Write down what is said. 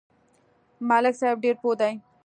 ملک صاحب ډېر پوه دی.